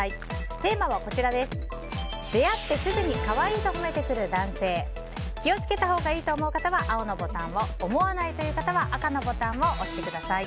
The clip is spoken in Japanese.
テーマは、出会ってすぐにかわいいと褒めてくる男性気を付けたほうがいいと思う方は青のボタンを思わないという方は赤のボタンを押してください。